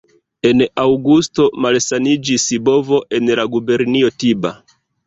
En aŭgusto malsaniĝis bovo en la gubernio Tiba.